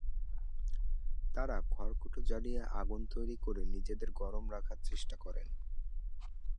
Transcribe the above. তারা খড়কুটো জ্বালিয়ে আগুন তৈরি করে নিজেদের গরম রাখার চেষ্টা করে।